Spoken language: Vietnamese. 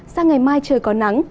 sao ngày mai trời có nắng